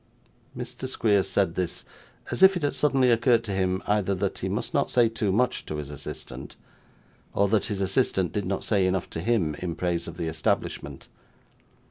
Mr. Squeers said this, as if it had suddenly occurred to him, either that he must not say too much to his assistant, or that his assistant did not say enough to him in praise of the establishment.